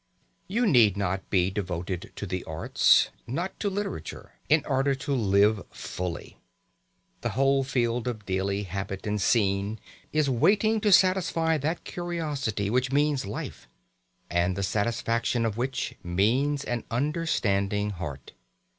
You need not be devoted to the arts, not to literature, in order to live fully. The whole field of daily habit and scene is waiting to satisfy that curiosity which means life, and the satisfaction of which means an understanding heart.